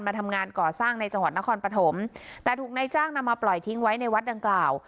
มาทำงานก่อสร้างในจังหวัดนครปฐมแต่ถูกนายจ้างนำมาปล่อยทิ้งไว้ในวัดดังกล่าว